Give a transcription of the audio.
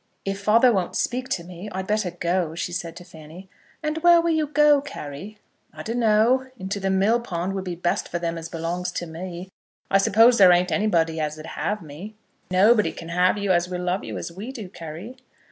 "If father won't speak to me, I'd better go," she said to Fanny. "And where will you go to, Carry?" "I dun' know; into the mill pond would be best for them as belongs to me. I suppose there ain't anybody as 'd have me?" "Nobody can have you as will love you as we do, Carry."